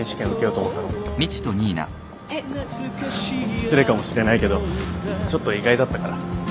失礼かもしれないけどちょっと意外だったから。